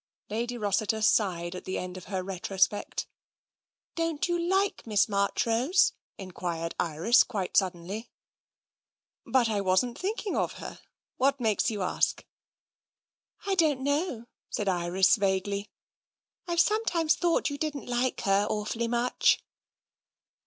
Lady Rossiter sighed at the end of her retrospect. "Don't you like Miss Marchrose?" enquired Iris quite suddenly. " But I wasn't thinking about her ! What makes you ask?" " I don't know," said Iris vaguely. " I've some times thought you didn't like her awfully much."